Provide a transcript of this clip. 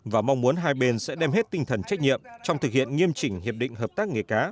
và mong muốn hai bên sẽ đem hết tinh thần trách nhiệm trong thực hiện nghiêm chỉnh hiệp định hợp tác nghề cá